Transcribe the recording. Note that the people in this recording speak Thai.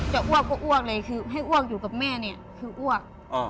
อ้วกก็อ้วกเลยคือให้อ้วกอยู่กับแม่เนี่ยคืออ้วก